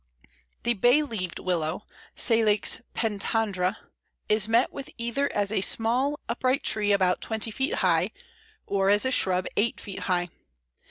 The Bay leaved Willow (Salix pentandra) is met with either as a small upright tree about twenty feet high, or as a shrub eight feet high.